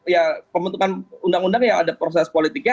ya pembentukan undang undang yang ada proses politiknya